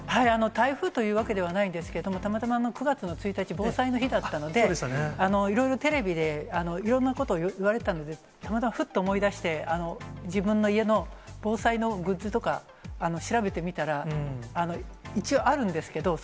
台風というわけではないんですが、たまたま９月の１日、防災の日だったので、いろいろテレビでいろんなことを言われてたので、たまたまふっと思い出して、自分の家の防災のグッズとか調べてみたら、一応あるんですけれども、